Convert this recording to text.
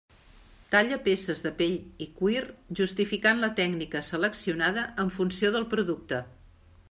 Talla peces de pell i cuir justificant la tècnica seleccionada en funció del producte.